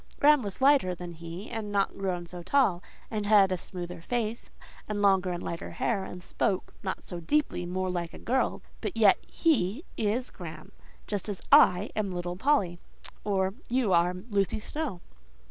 Graham was slighter than he, and not grown so tall, and had a smoother face, and longer and lighter hair, and spoke—not so deeply—more like a girl; but yet he is Graham, just as I am little Polly, or you are Lucy Snowe."